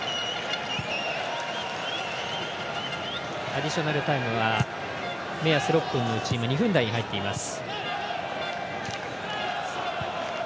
アディショナルタイムは目安６分のうち２分台に入っています。